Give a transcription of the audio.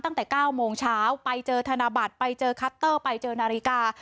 ตั้งแต่๙โมงเช้าไปเจอธนบัตรไปเจอคัตเตอร์ไปเจอนาฬิกา